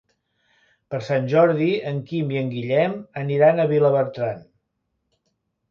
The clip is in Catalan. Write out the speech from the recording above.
Per Sant Jordi en Quim i en Guillem aniran a Vilabertran.